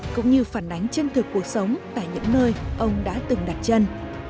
cũng như phản ánh chân thực cuộc sống tại những nơi ông đã từng đặt chân